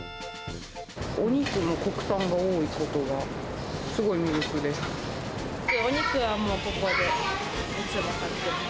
お肉も国産が多いところがすごい魅力です。